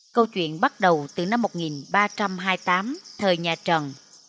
câu chuyện bắt đầu từ năm một nghìn ba trăm hai mươi tám thời nhà trần